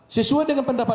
sesuai dengan pendapat